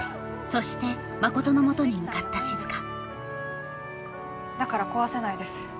そして真琴のもとに向かった静だから壊せないです